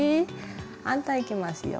反対いきますよ。